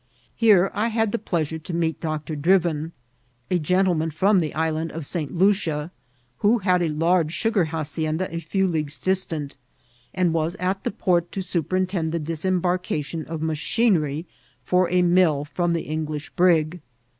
Here I had the pleasure to meet Dr. Drivin, a gentleman from the Island of St. Lucia, who had a large sugar hacienda a few leagues distant, and was at the port to superintend the disembarcation of machinery for a mill from the English brig.